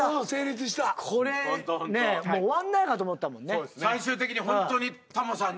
これねもう終わんないかと思ったもんね。